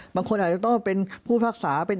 เพราะอาชญากรเขาต้องปล่อยเงิน